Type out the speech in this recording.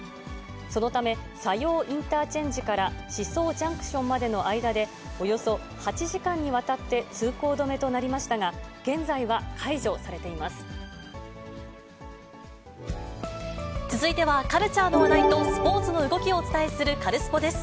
そのため、佐用インターチェンジから宍粟ジャンクションまでの間で、およそ８時間にわたって通行止めとなりましたが、現在は解除されていま続いては、カルチャーの話題とスポーツの動きをお伝えするカルスポっ！です。